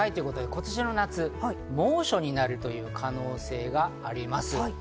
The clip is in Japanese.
今年の夏、猛暑になる可能性があります。